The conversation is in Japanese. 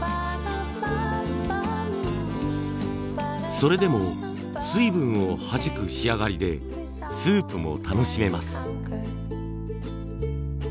それでも水分をはじく仕上がりでスープも楽しめます。